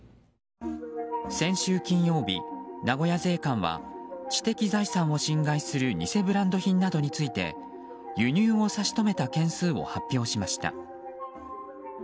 先週金曜日、名古屋税関は知的財産を侵害する偽ブランド品などについて輸入を差し止めた件数を発表しました。